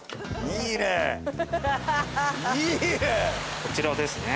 こちらですね。